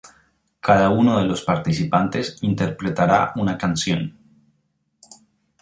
Cada uno de los participantes interpretará una canción.